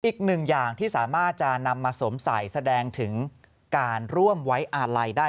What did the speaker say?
อีกหนึ่งอย่างที่สามารถจะนำมาสวมใส่แสดงถึงการร่วมไว้อาลัยได้